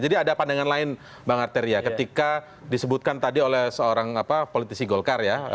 jadi ada pandangan lain bang arteria ketika disebutkan tadi oleh seorang politisi golkar ya